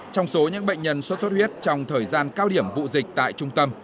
trong số những bệnh nhân xuất xuất huyết trong thời gian cao điểm vụ dịch tại trung tâm